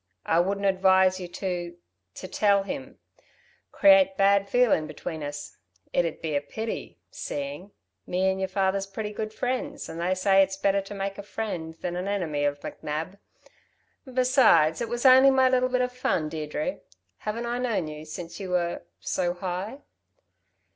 I wouldn't advise you to ... to tell him ... create bad feelin' between us ... it'd be a pity ... seeing ... me and y'r father's pretty good friends, and they say it's better to make a friend than an enemy of McNab. Besides it was only my little bit of fun, Deirdre. Haven't I known you since you were so high."